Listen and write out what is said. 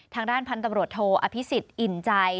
ทางด้านพันธุ์ตำรวจโทอภิษฎอิ่มใจ